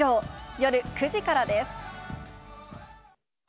夜９時からです。